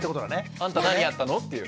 「あんた何やったの？」っていう。